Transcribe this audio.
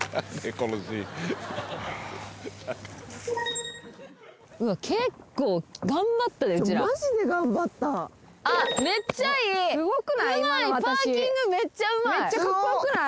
今の私めっちゃかっこよくない？